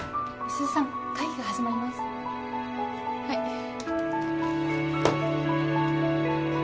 はい。